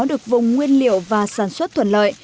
được vùng nguyên liệu và sản xuất thuận lợi